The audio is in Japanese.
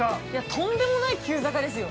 ◆とんでもない急坂ですよ。